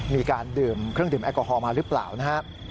มีการดื่มเครื่องดื่มแอลกอฮอลมาหรือเปล่านะครับ